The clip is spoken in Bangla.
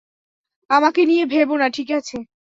আমাকে নিয়ে ভেবো না, ঠিক আছে?